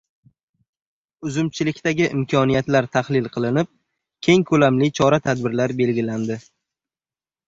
Uzumchilikdagi imkoniyatlar tahlil qilinib, keng ko‘lamli chora-tadbirlar belgilandi